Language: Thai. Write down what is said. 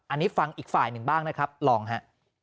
อันนี้ฟังอีกฝ่ายหนึ่งบ้างนะครับลองฮะ